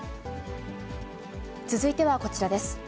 続いてはこちらです。